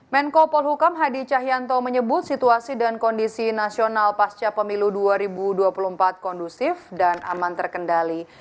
menko polhukam hadi cahyanto menyebut situasi dan kondisi nasional pasca pemilu dua ribu dua puluh empat kondusif dan aman terkendali